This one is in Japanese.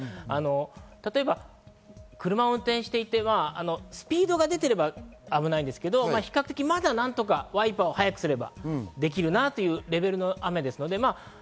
例えば車を運転していてスピードが出ていれば危ないんですけれど、ワイパーを早くすれば運転できるなというレベルの雨です。